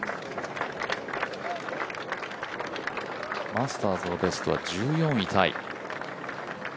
マスターズのベストは１４位タイ。